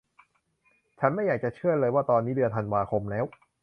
ฉันไม่อยากจะเชื่อเลยว่าตอนนี้เดือนธันวาคมแล้ว